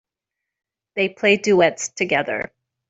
They play duets together.